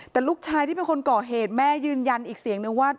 แต่ลูกชายที่เป็นคนก่อเหตุแม่ยืนยันอีกเสียงนึงว่า